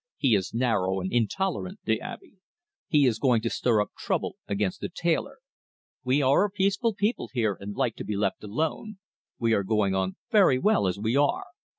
He is narrow and intolerant the Abbe. He is going to stir up trouble against the tailor. We are a peaceful people here, and like to be left alone. We are going on very well as we are.